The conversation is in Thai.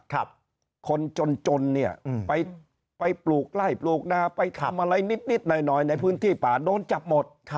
คนจนจนเนี่ยไปปลูกไล่ปลูกนาไปทำอะไรนิดหน่อยในพื้นที่ป่าโดนจับหมด